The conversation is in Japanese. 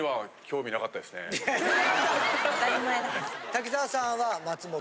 滝沢さんは松本？